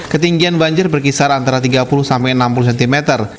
ketinggian banjir berkisar antara tiga puluh sampai enam puluh cm